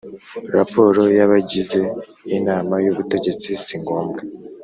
Raporo y’abagize Inama y’Ubutegetsi si ngombwa